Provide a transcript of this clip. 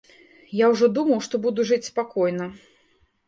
Я ўжо думаў, што буду жыць спакойна.